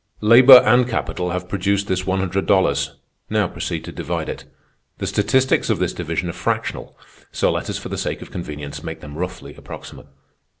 "Labor and capital having produced this one hundred dollars, now proceed to divide it. The statistics of this division are fractional; so let us, for the sake of convenience, make them roughly approximate.